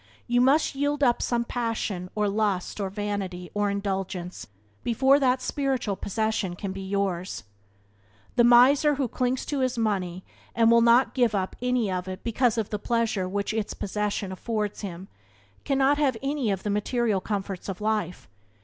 You must yield up some passion or lust or vanity or indulgence before the spiritual possession can be yours. The miser who clings to his money and will not give up any of it Byways to Blessedness by James Allen 66 because of the pleasure which its possession affords him cannot have any of the material comforts of life.